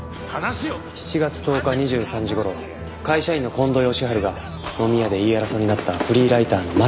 ７月１０日２３時頃会社員の近藤義治が飲み屋で言い争いになったフリーライターの巻